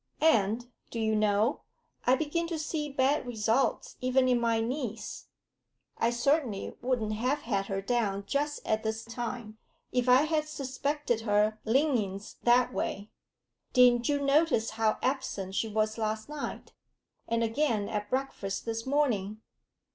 And, do you know, I begin to see bad results even in my niece. I certainly wouldn't have had her down just at this time if I had suspected her leanings that way. Didn't you notice how absent she was last night, and again at breakfast this morning?